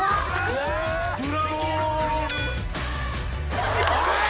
「ブラボー！」